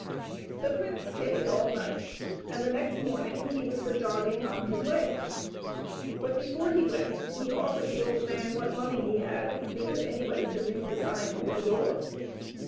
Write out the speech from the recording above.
The prince stayed all night, and the next morning he was for jogging on his way. But before he went he offered the old man what money he had, because anybody could read the sign over the door.